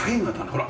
ほら。